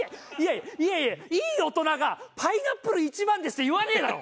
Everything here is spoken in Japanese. いやいやいい大人が「パイナップル一番です」って言わねえだろ！